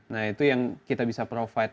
nah itu yang kita bisa provide